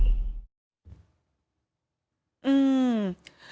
พ่อส่งเบื้น